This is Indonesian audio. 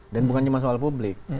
dan bukan cuma soal publik